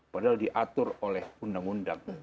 padahal diatur oleh undang undang